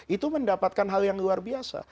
itu mendapatkan hal yang luar biasa